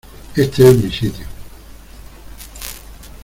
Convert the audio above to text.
Este es mi sitio.